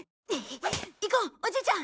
行こうおじいちゃん！